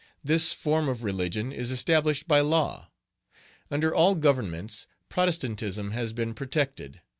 This form of religion is established by law. Under all Governments Protestantism has been protected.